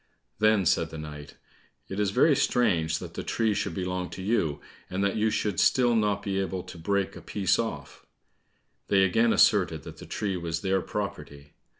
Then said the knight, "It is very strange that the tree should belong to you, and that you should still not be able to break a piece off." They again asserted that the tree was their property.